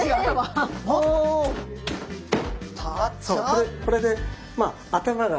これこれでまあ頭が。